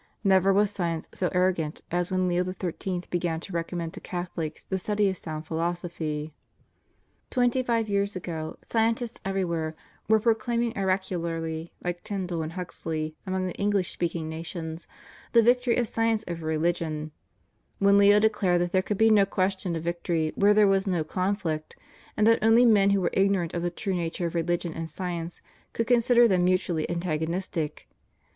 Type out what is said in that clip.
Never was science so arrogant as when Leo XIII. began to recommend to Catholics the study of sound philosophy. Twenty five years ago, scientists everywhere were pro claiming oracularly, like Tyndall and Huxley among the English speaking nations, the victory of science over reUgion, when Leo declared that there could be no question of victory where there was no conflict, and that only men who were ignorant of the true nature of religion and science could consider them mutually antagonistic.